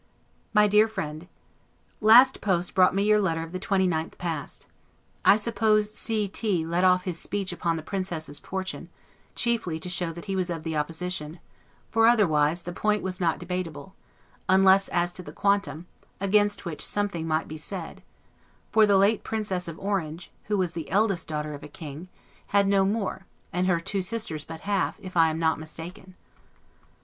MY DEAR FRIEND: Last post brought me your letter of the 29th past. I suppose C T let off his speech upon the Princess's portion, chiefly to show that he was of the opposition; for otherwise, the point was not debatable, unless as to the quantum, against which something might be said; for the late Princess of Orange (who was the eldest daughter of a king) had no more, and her two sisters but half, if I am not mistaken.